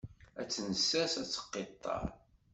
Ad tt-nessers ad teqqiṭṭer.